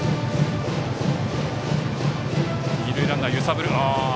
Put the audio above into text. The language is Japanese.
二塁ランナーが揺さぶる。